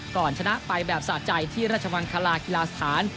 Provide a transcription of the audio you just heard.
ก่อนชนะไปแบบสะใจที่ราชมังคลากีฬาสถาน